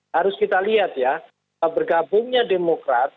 harus kita lihat ya bergabungnya demokrat